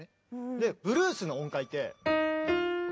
でブルースの音階って。